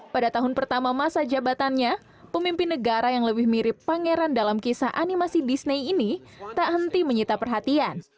pada tahun pertama masa jabatannya pemimpin negara yang lebih mirip pangeran dalam kisah animasi disney ini tak henti menyita perhatian